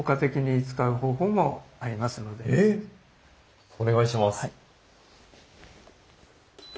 えっお願いします。